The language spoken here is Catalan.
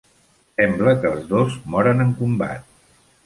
Sembla que els dos moren en combat.